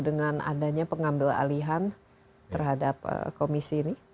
dengan adanya pengambil alihan terhadap komisi ini